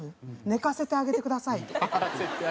「寝かせてあげてください」。